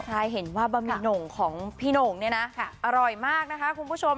ใครเห็นว่าบะหมี่โหน่งของพี่โหน่งเนี่ยนะอร่อยมากนะคะคุณผู้ชม